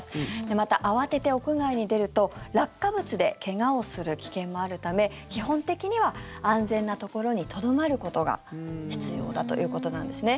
また、慌てて屋外に出ると落下物で怪我をする危険もあるため基本的には安全なところにとどまることが必要だということなんですね。